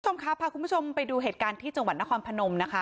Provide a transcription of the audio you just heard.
คุณผู้ชมครับพาคุณผู้ชมไปดูเหตุการณ์ที่จังหวัดนครพนมนะคะ